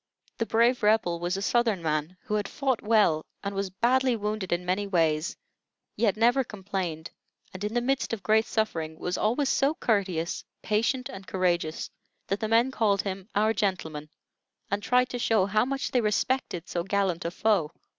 The "brave Rebel" was a Southern man who had fought well and was badly wounded in many ways, yet never complained; and in the midst of great suffering was always so courteous, patient, and courageous, that the men called him "our gentleman," and tried to show how much they respected so gallant a foe.